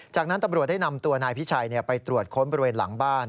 จากนั้นตำรวจได้นำตัวนายพิชัยไปตรวจค้นบริเวณหลังบ้าน